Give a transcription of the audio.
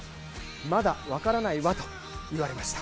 まだ分からないわと言われました。